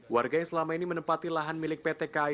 warga yang selama ini menempati lahan milik pt kai